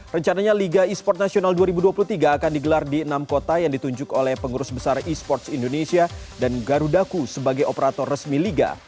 rencananya liga e sport nasional dua ribu dua puluh tiga akan digelar di enam kota yang ditunjuk oleh pengurus besar e sports indonesia dan garudaku sebagai operator resmi liga